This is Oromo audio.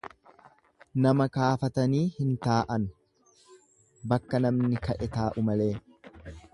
Nama kaafatanii hin taa'an bakka namni ka'e taa'u malee.